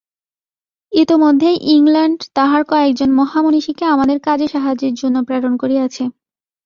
ইতোমধ্যেই ইংলণ্ড তাহার কয়েকজন মহামনীষীকে আমাদের কাজে সাহায্যের জন্য প্রেরণ করিয়াছে।